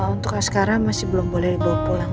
untuk sekarang masih belum boleh dibawa pulang